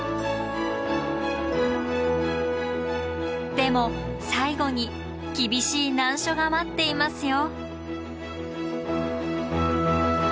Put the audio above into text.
でも最後に厳しい難所が待っていますよ。